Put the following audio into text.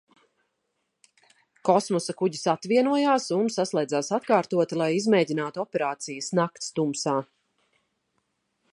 Kosmosa kuģis atvienojās un saslēdzās atkārtoti, lai izmēģinātu operācijas nakts tumsā.